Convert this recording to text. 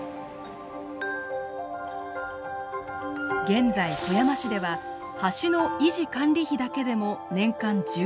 現在富山市では橋の維持管理費だけでも年間１７億円。